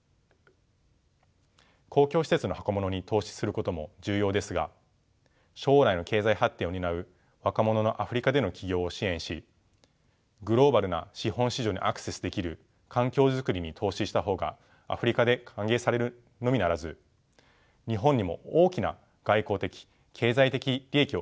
公共施設の箱ものに投資することも重要ですが将来の経済発展を担う若者のアフリカでの起業を支援しグローバルな資本市場にアクセスできる環境づくりに投資した方がアフリカで歓迎されるのみならず日本にも大きな外交的経済的利益をもたらすはずです。